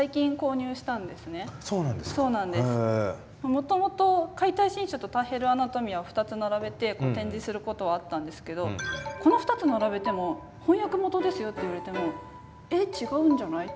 もともと「解体新書」と「ターヘル・アナトミア」を２つ並べて展示することはあったんですけどこの２つ並べても翻訳元ですよって言われても「えっ違うんじゃない？」って。